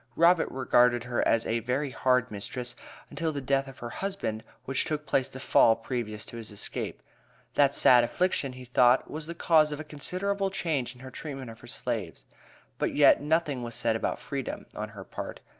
Robert regarded her as a "very hard mistress" until the death of her husband, which took place the Fall previous to his escape. That sad affliction, he thought, was the cause of a considerable change in her treatment of her slaves. But yet "nothing was said about freedom," on her part.